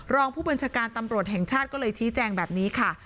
รองผู้บัญชาการตำรวจแห่งชาติก็เลยชี้แจงแบบนี้ค่ะ